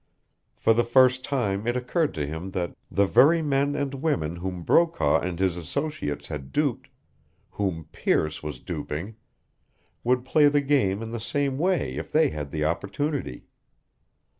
For the first time it occurred to him that the very men and women whom Brokaw and his associates had duped, whom Pearce was duping, would play the game in the same way if they had the opportunity.